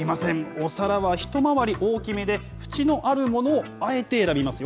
お皿は一回り大きめで、縁のあるものをあえて選びますよ。